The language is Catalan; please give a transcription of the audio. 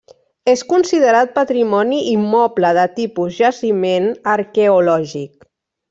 És considerat patrimoni immoble de tipus jaciment arqueològic.